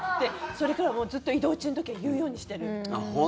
それからはもう、ずっと移動中の時は言うようにしてる。